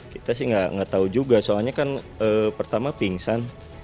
kita sih nggak tahu juga soalnya kan pertama pingsan